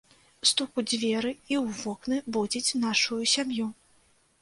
Стук у дзверы і ў вокны будзіць нашую сям'ю.